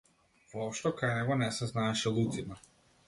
Воопшто кај него не се знаеше лутина.